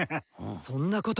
そんなこと！